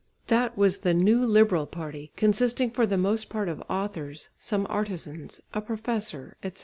That was the new liberal party, consisting for the most part of authors, some artisans, a professor, etc.